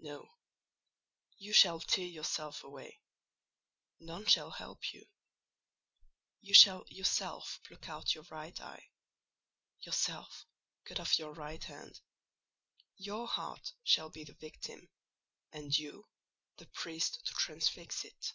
"No; you shall tear yourself away, none shall help you: you shall yourself pluck out your right eye; yourself cut off your right hand: your heart shall be the victim, and you the priest to transfix it."